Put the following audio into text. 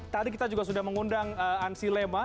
tadi kita juga sudah mengundang ansi lema